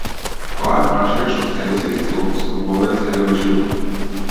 Тоа е прашање што себеси ќе си го поставуваме целиот живот.